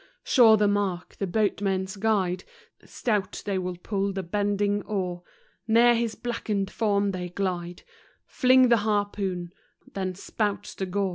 Sure the mark, the boatmen's guide ; Stout they pull the bending oar: Near his blacken'd form they glide, Fling th' harpoon—then spouts the gore.